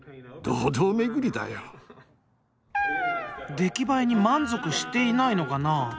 出来栄えに満足していないのかな。